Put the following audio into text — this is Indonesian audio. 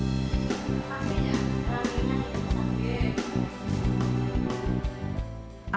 air hujan di rumahnya